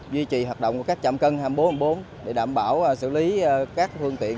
duy trì hoạt động của các chạm cân hai mươi bốn hai mươi bốn để đảm bảo xử lý các phương tiện